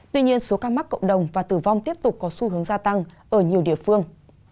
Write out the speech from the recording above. tuy nhiên số ca mắc cộng đồng và tử vong tiếp tục có xu hướng gia tăng ở nhiều địa phương